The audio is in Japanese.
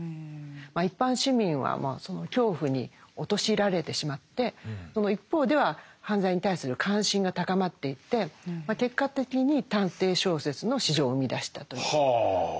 一般市民はその恐怖に陥れられてしまってその一方では犯罪に対する関心が高まっていって結果的に探偵小説の市場を生み出したというそういう流れですね。